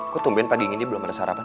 kok tungguin pagi gini belum ada sarapan